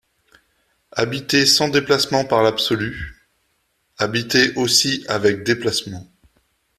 Habitée sans déplacement par l’absolu ; habitée aussi avec déplacement.